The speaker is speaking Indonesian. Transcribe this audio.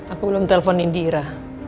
aku belum telepon indira